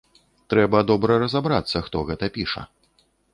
Трэба добра разабрацца, хто гэта піша.